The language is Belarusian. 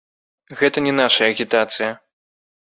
Гэта не наша агітацыя!